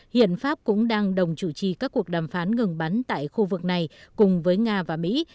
hiện pháp cũng đang đồng chủ trì các cuộc đàm phán ngừng bắn tại khu vực này cùng với nga và mỹ